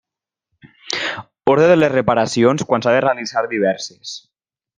Ordre de les reparacions quan s'ha de realitzar diverses.